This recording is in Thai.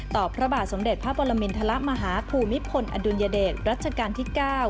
พระบาทสมเด็จพระปรมินทรมาฮภูมิพลอดุลยเดชรัชกาลที่๙